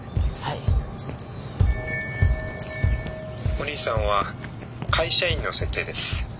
おにいさんは会社員の設定です。